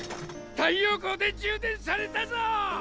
太陽光で充電されたぞ！